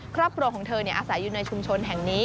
ครอบครัวของเธออาศัยอยู่ในชุมชนแห่งนี้